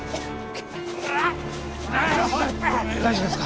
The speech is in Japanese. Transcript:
大丈夫ですか？